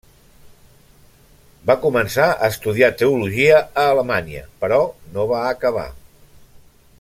Va començar a estudiar teologia a Alemanya, però no va acabar.